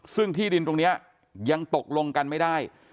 ซึ่งที่ดินตรงนี้ยังตกลงกันไม่ได้